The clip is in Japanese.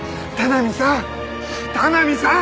田波さん！